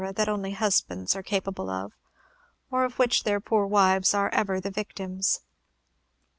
that only husbands are capable of, or of which their poor wives are ever the victims.